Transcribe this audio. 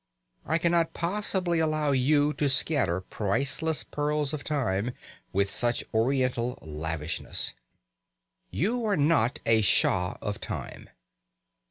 I cannot possibly allow you to scatter priceless pearls of time with such Oriental lavishness. You are not the Shah of time.